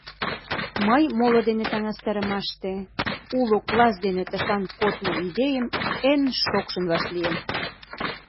Мый, моло дене таҥастарымаште, уло класс дене тышан кодмо идейым эн шокшын вашлийым.